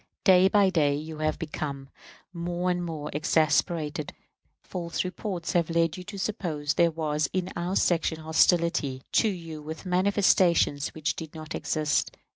Day by day you have become more and more exasperated. False reports have led you to suppose there was in our section hostility to you with manifestations which did not exist.